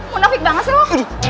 munafik banget sih lo